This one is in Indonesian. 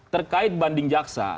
terkait banding jaksa